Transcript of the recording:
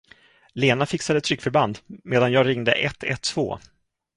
Lena fixade tryckförband medan jag ringde ett ett två.